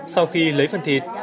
sau khi lấy phần thịt